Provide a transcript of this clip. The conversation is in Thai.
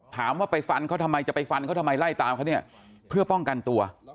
ถามว่าไปฟันเขาทำไมจะไปฟันเขาทำไมไล่ตามเขาเนี่ยเพื่อป้องกันตัว